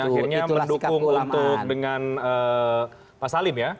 akhirnya mendukung untuk dengan pak salim ya